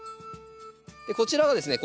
こちらがですね